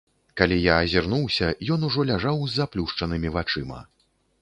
Калі я азірнуўся, ён ужо ляжаў з заплюшчанымі вачыма.